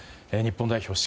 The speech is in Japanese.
日本代表